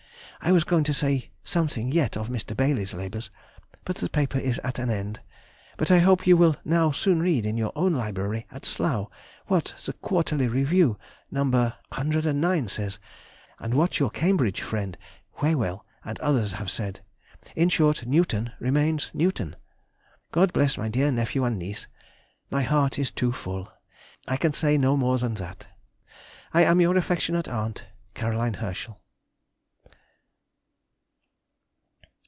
I was going to say something yet of Mr. Baily's labours, but the paper is at an end; but I hope you will now soon read in your own library at Slough what the "Quarterly Review," No. CIX., says, and what your Cambridge friend Whewell and others have said—in short, Newton remains Newton! God bless my dear nephew and niece!... My heart is too full—I can say no more than that I am your affectionate aunt, CAR. HERSCHEL.